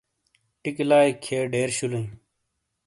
ٹیکی لائی کھئیے ڈیر شولئی۔